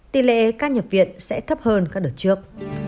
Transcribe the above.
tỷ lệ ca nhập viện sẽ thấp hơn các đợt trước